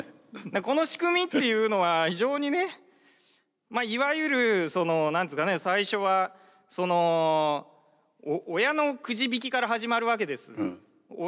この仕組みっていうのは非常にねいわゆる何ですかね最初はその親のくじ引きから始まるわけです。